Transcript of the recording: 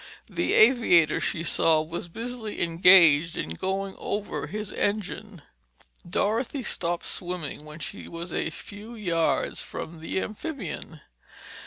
The aviator, she saw, was busily engaged in going over his engine. Dorothy stopped swimming when she was a few yards from the amphibian.